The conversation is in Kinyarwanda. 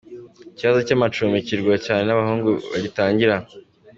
Ikibazo cy’amacumbi kigirwa cyane n’abahungu bagitangira.